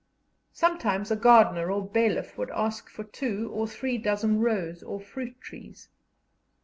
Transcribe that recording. Sometimes a gardener or bailiff would ask for two or three dozen rose or fruit trees.